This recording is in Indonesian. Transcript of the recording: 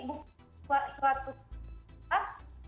bukan suatu hal